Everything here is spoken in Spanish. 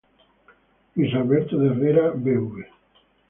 Luis Alberto de Herrera, Bv.